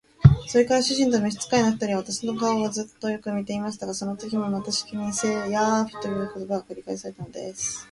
それから主人と召使の二人は、私たちの顔をじっとよく見くらべていましたが、そのときもまたしきりに「ヤーフ」という言葉が繰り返されたのです。